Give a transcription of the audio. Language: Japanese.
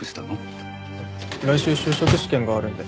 来週就職試験があるんで。